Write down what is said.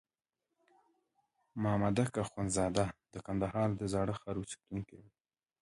مامدک اخندزاده د کندهار د زاړه ښار اوسېدونکی وو.